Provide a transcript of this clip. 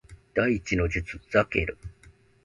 第一の術ザケル